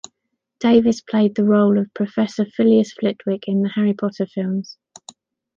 Davis played the role of Professor Filius Flitwick in the "Harry Potter" films.